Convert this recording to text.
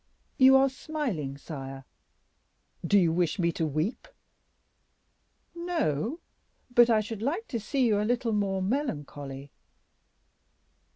"You are smiling, sire." "Do you wish me to weep?" "No; but I should like to see you a little more melancholy."